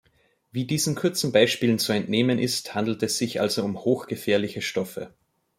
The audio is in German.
Wie diesen kurzen Beispielen zu entnehmen ist, handelt es sich also um hochgefährliche Stoffe.